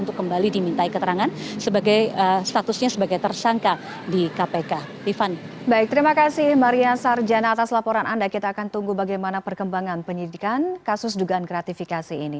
kembali diminta keterangan statusnya sebagai tersangka di kpk